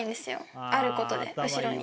あることで後ろに。